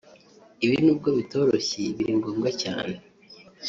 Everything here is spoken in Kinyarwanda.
ibi nubwo bitoroshye biri ngombwa cyane